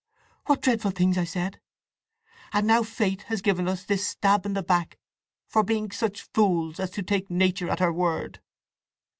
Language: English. What dreadful things I said! And now Fate has given us this stab in the back for being such fools as to take Nature at her word!"